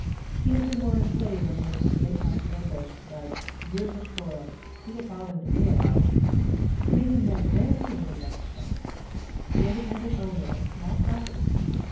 He had been born a slave on one of the great haciendas; but years of toil, too appalling to realize, had made him that rare being in Mexico, the independent owner of a small property.